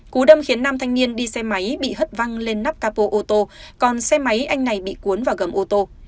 cú đâm khiến nam thanh niên đi xe máy bị hất văng lên nắp capo ô tô còn xe máy anh này bị cuốn vào gầm ô tô